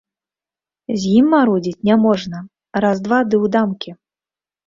З ім марудзіць няможна, раз, два ды ў дамкі!